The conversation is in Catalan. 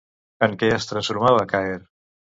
En què es transformava Caer?